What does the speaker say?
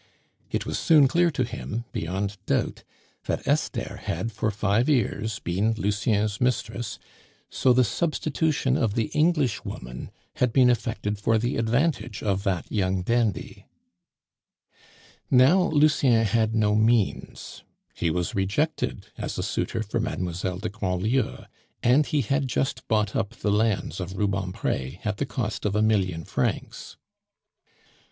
It was soon clear to him, beyond doubt, that Esther had for five years been Lucien's mistress; so the substitution of the Englishwoman had been effected for the advantage of that young dandy. Now Lucien had no means; he was rejected as a suitor for Mademoiselle de Grandlieu; and he had just bought up the lands of Rubempre at the cost of a million francs.